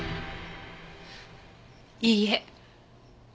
いいえ。